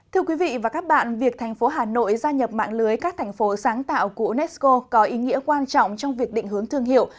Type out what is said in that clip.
thưa quý vị và các bạn việc thành phố hà nội gia nhập mạng lưới các thành phố sáng tạo của unesco có ý nghĩa quan trọng trong việc định hướng thương hiệu